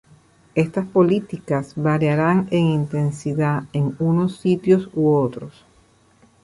Estas políticas variarán en intensidad en unos sitios u otros.